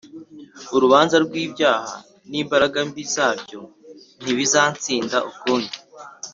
Urubanza rw’ibyaha n’imbaraga mbi zabyo ntibizansinda ukundi